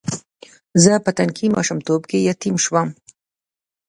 زه په تنکي ماشومتوب کې یتیم شوم.